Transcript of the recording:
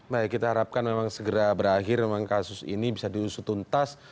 baik kita harapkan memang segera berakhir memang kasus ini bisa diusut tuntas